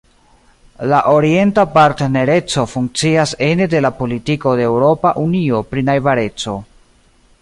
La Orienta Partnereco funkcias ene de la Politiko de Eŭropa Unio pri Najbareco.